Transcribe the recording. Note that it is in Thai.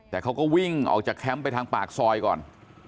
แต่เขาก็วิ่งออกจากแคมป์ไปทางปากซอยก่อน